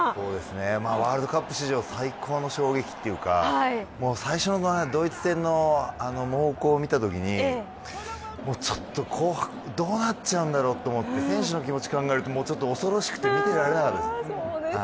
ワールドカップ史上最高の衝撃というか最初のドイツ戦の猛攻を見たときに後半、どうなっちゃうんだろうと思って、選手の気持ちを考えると恐ろしくて見てられなかったです。